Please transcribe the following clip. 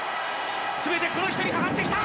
すべてこの人にかかってきた！